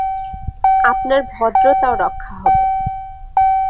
আপনার ভদ্রতাও রক্ষা হবে।